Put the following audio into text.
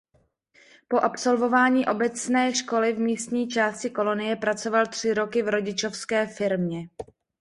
Po absolvování obecné školy v místní části Kolonie pracoval tři roky v rodičovské firmě.